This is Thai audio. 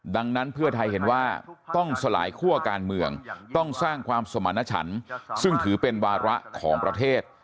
ดังนั้นเพื่อไทยเห็นว่าต้องสลายคั่วการเมืองต้องสร้างความสมรรถฉันซึ่งถือเป็นวาระของประเทศ